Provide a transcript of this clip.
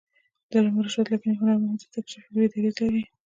د علامه رشاد لیکنی هنر مهم دی ځکه چې فکري دریځ لري.